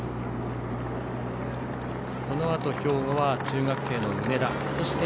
このあと兵庫は中学生の梅田。